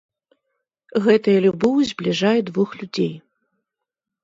Гэтая любоў збліжае двух людзей.